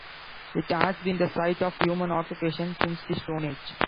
It has been the site of human occupation since the Stone Age.